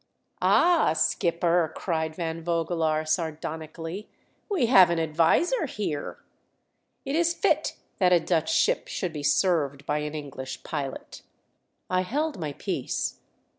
"Ah, skipper!" cried Van Vogelaar, sar donically, ''we have an adviser here. It is fit that a Dutch ship should be served by an English pilot 1" I held my peace.